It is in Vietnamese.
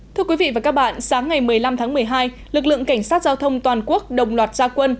thưa quý vị và các bạn sáng ngày một mươi năm tháng một mươi hai lực lượng cảnh sát giao thông toàn quốc đồng loạt gia quân